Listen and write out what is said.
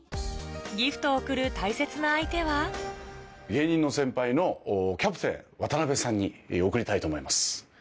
ギフトを贈る大切な相手は芸人の先輩のキャプテン渡辺さんに贈りたいと思います。